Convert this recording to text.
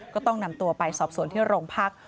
ก็ต้องนำตัวไปสอบสวนที่โรงพัก